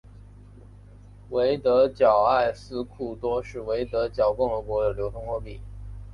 维德角埃斯库多是维德角共和国的流通货币。